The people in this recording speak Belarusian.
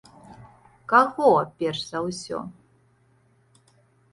Каго перш за ўсё?